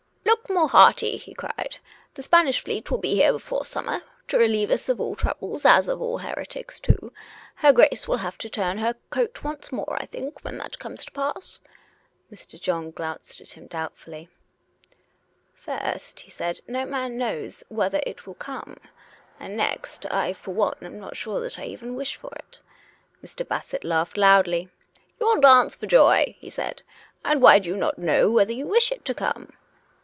" Look more hearty !" he cried. " The Spanish fleet will be here before summer to relieve us of all troubles, as of all heretics, too. Her Grace will have to turn her coat once more, I think, when that comes to pass." Mr. John glanced at him doubtfully. " First," he said, ^'jio man knows whether it will come. And, next, I for one am not sure if I even wish for it." Mr. Bassett laughed loudly. " You will dance for joy I " he said. " And why do you not know whether you wish it to come?